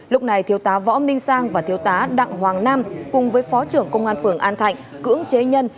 lúc này thiếu tá võ minh sang và thiếu tá đặng hoàng nam cùng với phó trưởng công an phường an thạnh cưỡng chế nhân